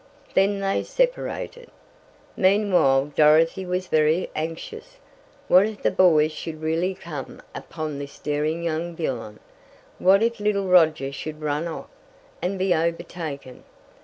Then they separated. Meanwhile Dorothy was very anxious. What if the boys should really come upon this daring young villian? What if little Roger should run off, and be overtaken?